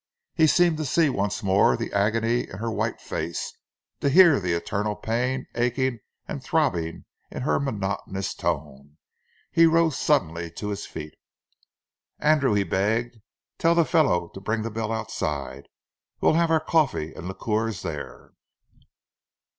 He seemed to see once more the agony in her white face, to hear the eternal pain aching and throbbing in her monotonous tone. He rose suddenly to his feet. "Andrew," he begged, "tell the fellow to bring the bill outside. We'll have our coffee and liqueurs there."